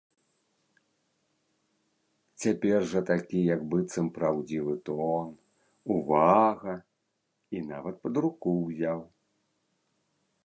Цяпер жа такі як быццам праўдзівы тон, увага, і нават пад руку ўзяў.